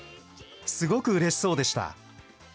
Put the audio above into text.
すごくうれしそうでした。